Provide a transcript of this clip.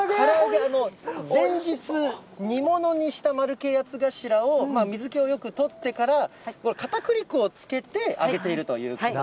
前日、煮物にした丸系八つ頭を水けをよく取ってからかたくり粉をつけて揚げているという。